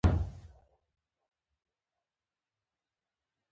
ټول انسانان د الله مخلوقات دي.